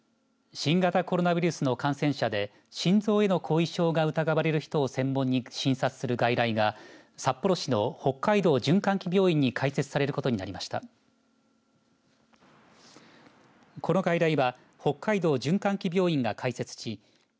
新型コロナウイルスの感染者で心臓への後遺症が疑われる人を専門に診察する外来が札幌市の北海道循環器病院に開設されることになりました。